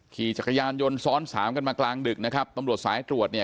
ขี่จักรยานยนต์ซ้อนสามกันมากลางดึกนะครับตำรวจสายตรวจเนี่ย